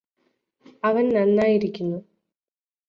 അവന് നന്നായിരിക്കുന്നു